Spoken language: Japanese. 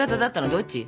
どっち？